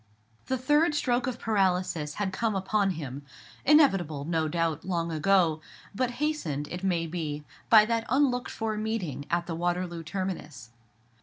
The third stroke of paralysis had come upon him; inevitable, no doubt, long ago; but hastened, it may be, by that unlooked for meeting at the Waterloo terminus.